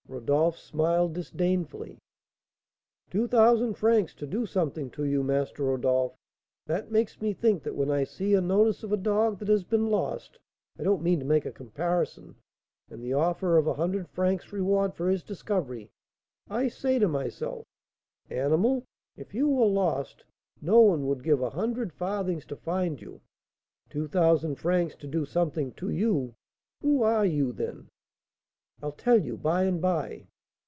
Rodolph smiled disdainfully. "Two thousand francs to do something to you, Master Rodolph; that makes me think that when I see a notice of a dog that has been lost (I don't mean to make a comparison), and the offer of a hundred francs reward for his discovery, I say to myself, 'Animal, if you were lost, no one would give a hundred farthings to find you.' Two thousand francs to do something to you! Who are you, then?" "I'll tell you by and by."